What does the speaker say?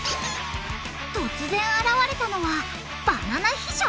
突然現れたのはバナナ秘書！？